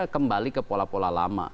kembali ke pola pola lama